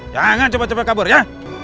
jangan cepat cepat kabur ya